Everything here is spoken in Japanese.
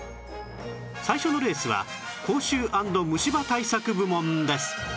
最初のレースは口臭＆虫歯対策部門です